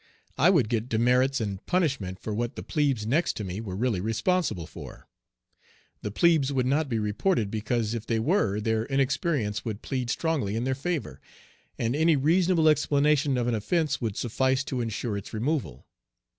I would get demerits and punishment for what the plebes next to me were really responsible for. The plebes would not be reported, because if they were their inexperience would plead strongly in their favor, and any reasonable explanation of an offence would suffice to insure its removal.